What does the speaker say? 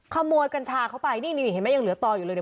ขโมยกัญชาเข้าไปนี่เห็นไหมยังเหลือต่ออยู่เลย